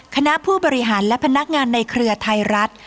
คณะผู้บริหารและพนักงานในเครือไทยรัฐ